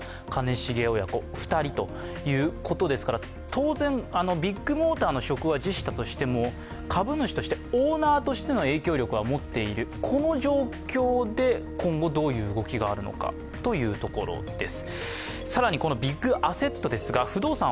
当然、ビッグモーターの職は辞したとしても株主として、オーナーとしての影響力は持っている、この状況で今後どういう動きがあるのかというところです。